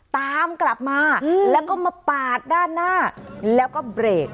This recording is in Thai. ตามกลับมาแล้วก็มาปาดด้านหน้าแล้วก็เบรก